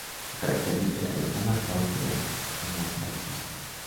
Su carácter literario está marcado por el cosmopolitismo.